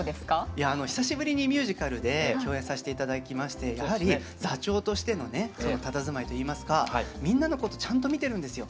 いやあの久しぶりにミュージカルで共演させて頂きましてやはり座長としてのねたたずまいといいますかみんなのことちゃんと見てるんですよ。